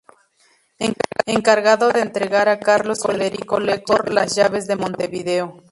Encargado de entregar a Carlos Federico Lecor las llaves de Montevideo.